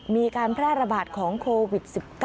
มีการแพร่ระบาดของโควิด๑๙